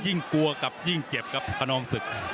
ยิ่งกลัวครับยิ่งเก็บครับคณองศึก